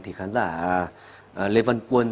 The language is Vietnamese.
thì khán giả lê văn quân